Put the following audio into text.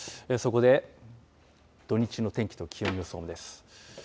そこで土日の天気と気温の予想です。